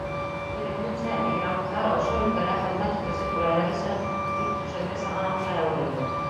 Киреһенсә, мигранттар ошо өлкәлә хеҙмәт итеүсе түрәләр өсөн бик төшөмлө сығанаҡҡа әүерелде.